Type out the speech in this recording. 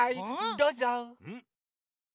どうぞ。